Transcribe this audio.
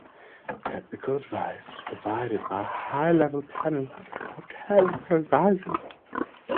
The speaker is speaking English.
Technical advice was provided by a high-level panel of technical advisors.